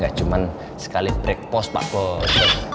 gak cuma sekali breakfast pak bos